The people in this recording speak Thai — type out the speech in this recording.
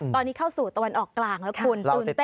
ตอนนี้เข้าสู่ตะวันออกกลางแล้วคุณตื่นเต้น